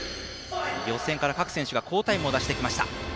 予選から各選手が高タイムを出してきました。